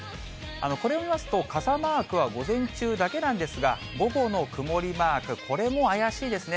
これを見ますと、傘マークは午前中だけなんですが、午後の曇りマーク、これも怪しいですね。